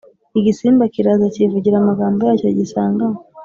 igisimba kiraza cyivugira amagambo yacyo gisanganywe